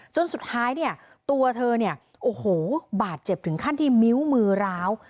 จนสุดท้ายเนี่ยตัวเธอเนี่ยโอ้โหบาดเจ็บถึงขั้นที่นิ้วมือร้าว